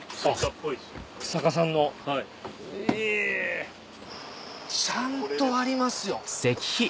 久坂さんのえぇ！ちゃんとありますよ！